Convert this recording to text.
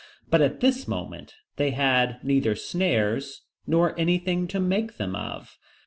But at this moment they had neither snares, nor anything to make them of.